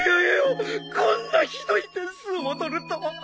こんなひどい点数を取るとは。